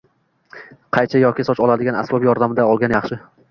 qaychi yoki soch oladigan asbob yordamida olgan yaxshi.